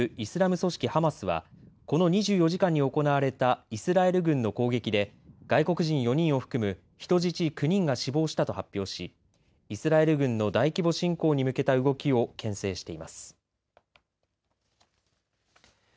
一方、ガザ地区を実効支配するイスラム組織ハマスはこの２４時間に行われたイスラエル軍の攻撃で外国人４人を含む人質９人が死亡したと発表しイスラエル軍の大規模侵攻に向けた動きをけん制しています。